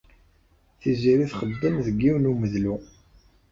Tiziri txeddem deg yiwen n umedlu.